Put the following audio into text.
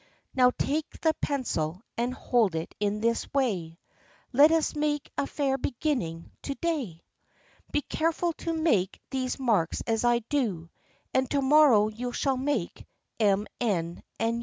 Now take the pencil, and hold it in this way: Let us make a fair beginning to day. Be careful to make these marks as I do ; And to morrow you shall make m, n, and u."